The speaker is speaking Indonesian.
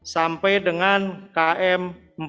sampai dengan jam empat belas